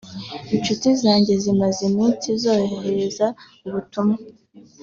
Inshuti zanjye zimaze iminsi zohereza ubutumwa